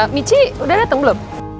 michi udah dateng belum